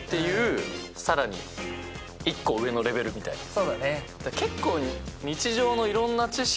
そうだね。